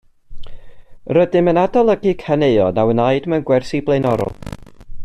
Rydym yn adolygu caneuon a wnaed mewn gwersi blaenorol.